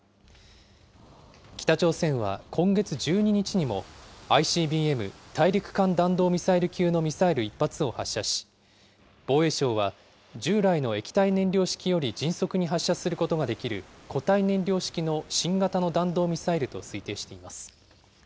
北朝鮮は今月１２日にも、ＩＣＢＭ・大陸間弾道ミサイル級のミサイル１発を発射し、防衛省は、従来の液体燃料式より迅速に発射することができる、固体燃料式の新型の弾道ミサイルと推定しています。